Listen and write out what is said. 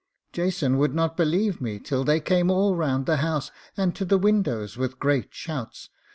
Jason would not believe me till they came all round the house, and to the windows with great shouts.